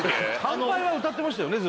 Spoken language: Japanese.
「乾杯」は歌ってましたよね